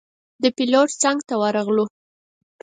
د پېلوټ څنګ ته ورغلو.